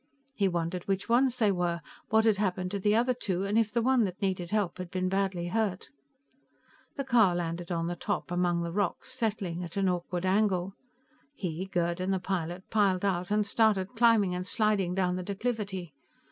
He wondered which ones they were, what had happened to the other two and if the one that needed help had been badly hurt. The car landed on the top, among the rocks, settling at an awkward angle. He, Gerd and the pilot piled out and started climbing and sliding down the declivity.